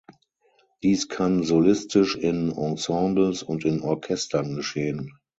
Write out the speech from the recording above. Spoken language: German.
Dies kann solistisch, in Ensembles und in Orchestern geschehen.